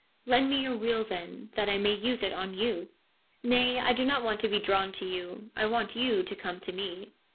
' Lend me your wheel, then, that I may use it on you.' ' Nay, I do not want to be drawn to you. I want you to come to me.'